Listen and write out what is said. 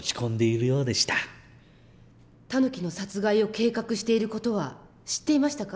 タヌキの殺害を計画している事は知っていましたか？